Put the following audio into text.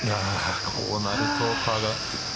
こうなると、パーが。